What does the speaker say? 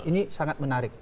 ini sangat menarik